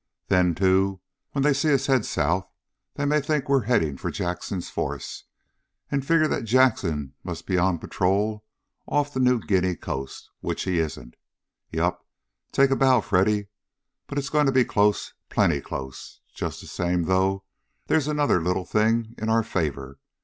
Then, too, when they see us head south they may think we're heading for Jackson's force, and figure that Jackson must be on patrol off the New Guinea coast, which he isn't. Yup! Take a bow, Freddy. But it's going to be close. Plenty close. Just the same, though, there's another little thing in our favor.